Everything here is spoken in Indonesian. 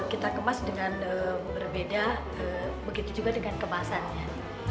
kita kemas dengan berbeda begitu juga dengan kemasannya